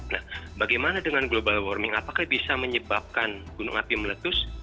nah bagaimana dengan global warming apakah bisa menyebabkan gunung api meletus